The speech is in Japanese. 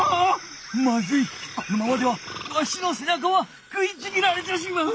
まずいこのままではわしのせなかは食いちぎられてしまう！